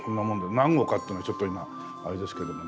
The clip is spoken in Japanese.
何号かっていうのはちょっと今あれですけどもね。